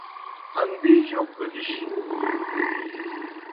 اندی جوک گہ نِش۔